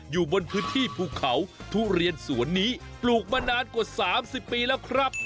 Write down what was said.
อยู่บนพื้นที่ภูเขาทุเรียนสวนนี้ปลูกมานานกว่า๓๐ปีแล้วครับ